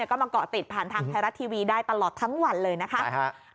ก็มาเกาะติดผ่านทางไทยรัฐทีวีได้ตลอดทั้งวันเลยนะคะ